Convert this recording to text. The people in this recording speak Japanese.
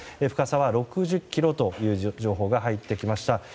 深さは６０ｋｍという情報が入ってきました。